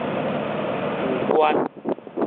舊觀